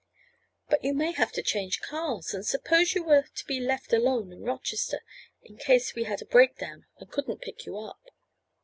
"But you may have to change cars, and suppose you were to be left alone in Rochester in case we had a breakdown and couldn't pick you up?"